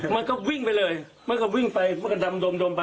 มันก็วิ่งไปเลยมันก็วิ่งไปมันก็ดำดมไป